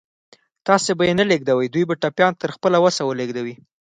تاسې به یې نه لېږدوئ، دوی به ټپيان تر خپل وسه ولېږدوي.